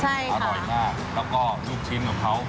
อร่อยมากแล้วก็ลูกชิ้นของเขา